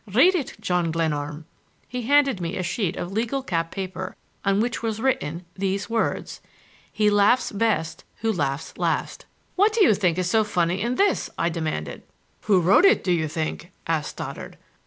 Read it, John Glenarm!" He handed me a sheet of legal cap paper on which was written these words: HE LAUGHS BEST WHO LAUGHS LAST "What do you think is so funny in this?" I demanded. "Who wrote it, do you think?" asked Stoddard.